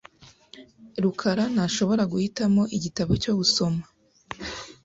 rukara ntashobora guhitamo igitabo cyo gusoma .